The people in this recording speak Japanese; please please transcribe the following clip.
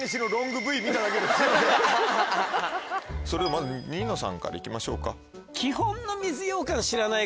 それではまずニノさんから行きましょうか。